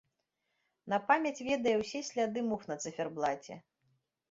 На памяць ведае ўсе сляды мух на цыферблаце.